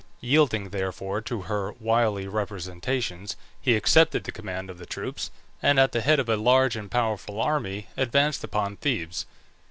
Yielding therefore to her wily representations he accepted the command of the troops, and at the head of a large and powerful army advanced upon Thebes.